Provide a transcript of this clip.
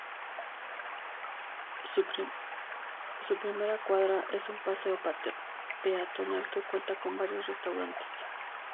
Su primera cuadra es un paseo peatonal que cuenta con varios restaurantes.